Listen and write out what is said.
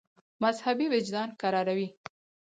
مذهبي وجدان کراروي.